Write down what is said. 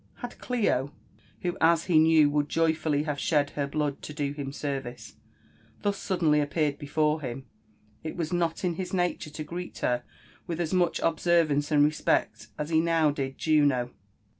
Had Clio, who as he knew would joyfully have shed her blood to do him service, thus sud denly appeared before him, it was not in his nature to greet her with as much observancp and respect as he now did Juno.